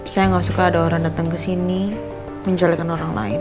saya nggak suka ada orang datang ke sini menculekan orang lain